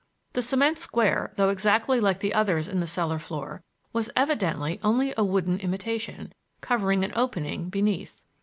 The cement square, though exactly like the others in the cellar floor, was evidently only a wooden imitation, covering an opening beneath.